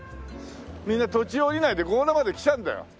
みんな途中降りないで強羅まで来ちゃうんだよ。